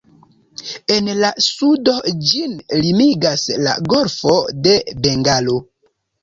En la sudo ĝin limigas la golfo de Bengalo.